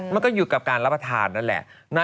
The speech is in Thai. มันก็อยู่กับการรับประทานนั่นแหละ